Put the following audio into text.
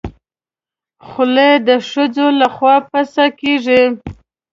خولۍ د ښځو لخوا پسه کېږي.